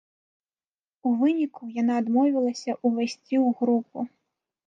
У выніку яна адмовілася ўвайсці ў групу.